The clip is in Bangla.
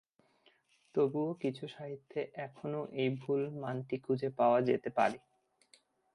তবুও কিছু সাহিত্যে এখনও এই ভুল মানটি খুঁজে পাওয়া যেতে পারে।